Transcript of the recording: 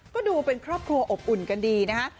ก็ดูเป็นครอบครัวอบอุ่นกันดีนะฮะ